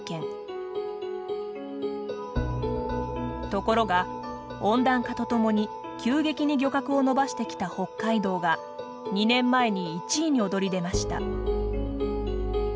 ところが温暖化とともに急激に漁獲を伸ばしてきた北海道が２年前に１位に躍り出ました。